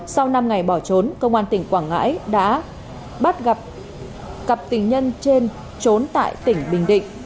sau năm ngày bỏ trốn công an tỉnh quảng ngãi đã bắt gặp cặp tình nhân trên trốn tại tỉnh bình định